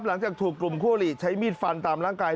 หลังจากถูกกลุ่มคั่วหลีใช้มีดฟันตามร่างกาย